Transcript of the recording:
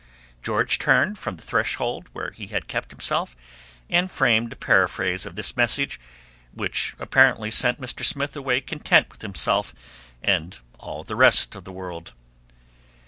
George turned from the threshold where he had kept himself, and framed a paraphrase of this message which apparently sent Mr. Smith away content with himself and all the rest of the world.